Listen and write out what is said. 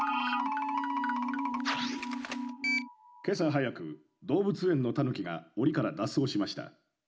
「今朝早く動物園のタヌキがおりからだっ走しました。